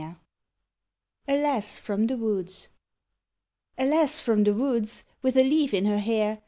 A LASS FROM THE WOODS A lass from the woods With a leaf in her hair!